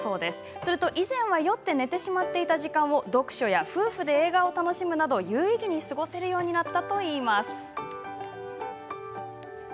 すると、以前は酔って寝てしまっていた時間を読書や夫婦で映画を楽しむなど有意義に過ごせるようになったといいます。